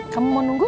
kamu mau nunggu